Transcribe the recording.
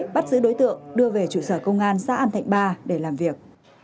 bắt giữ đối tượng đưa về trụ sở công an xã an thạnh ba để làm việc